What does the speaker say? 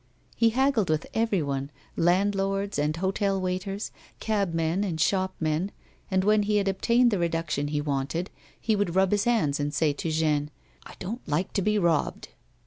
He haggled with every one, landlords and hotel waiters, cabmen and shopmen, and when he had obtained the reduction he wanted, he would rub his hands, and say to Jeanne :" I don't like to be robbed."